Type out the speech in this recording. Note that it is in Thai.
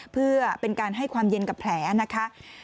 เพื่อเป็นการให้ความเย็นกับแผลนะคะ